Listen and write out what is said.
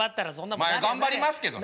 まあ頑張りますけどね。